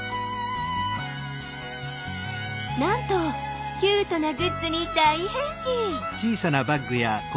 なんとキュートなグッズに大変身！